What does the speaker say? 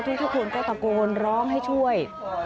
ทุกคนก็ตะโกนร้องให้ช่วย